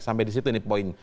sampai di situ ini poin